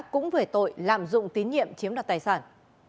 cũng về tội làm dụng tín nhiệm chiếm đặt tài sản